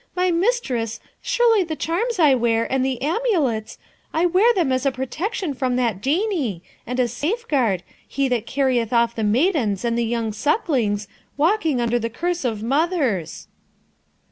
my mistress, surely the charms I wear, and the amulets, I wear them as a protection from that Genie, and a safeguard, he that carrieth off the maidens and the young sucklings, walking under the curse of mothers.'